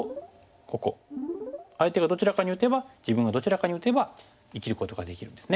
相手がどちらかに打てば自分がどちらかに打てば生きることができるんですね。